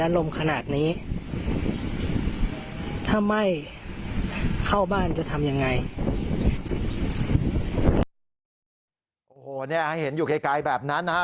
โอ้โหเนี่ยให้เห็นอยู่ไกลแบบนั้นนะฮะ